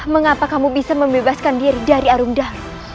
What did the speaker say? mengapa kamu bisa membebaskan diri dari arumda